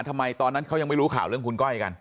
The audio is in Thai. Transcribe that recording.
ตอนนั้นเขายังไม่รู้ข่าวเรื่องคุณก้อยกัน